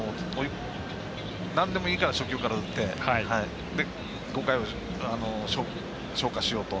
なんでもいいから初球から打って５回を消化しようと。